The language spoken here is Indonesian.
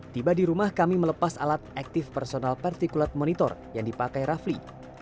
tiba di rumah kami melepas alat aktif personal particulate monitor yang dipakai rafli